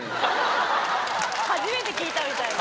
初めて聞いたみたいな。